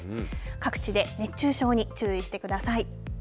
各地で熱中症に注意してください。